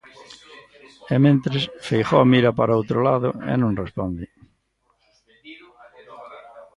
E mentres, Feijóo mira para outro lado e non responde.